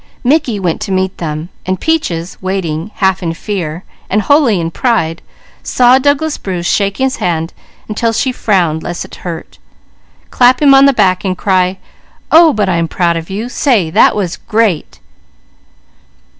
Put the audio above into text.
Mickey went to meet them, and Peaches watching, half in fear and wholly in pride, saw Douglas Bruce shake his hand until she frowned lest it hurt, clap him on the back, and cry: "Oh but I'm proud of you! Say that was great!"